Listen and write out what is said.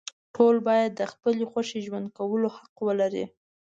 ټول باید د خپلې خوښې ژوند کولو حق ولري.